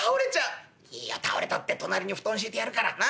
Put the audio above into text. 「いいよ倒れたって隣に布団敷いてやるからなっ？